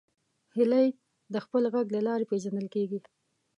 هیلۍ د خپل غږ له لارې پیژندل کېږي